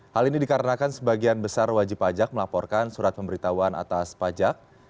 hal ini dikarenakan sebagian besar wajib pajak melaporkan surat pemberitahuan atas pajak